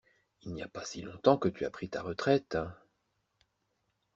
Il n’y a pas si longtemps que tu as pris ta retraite.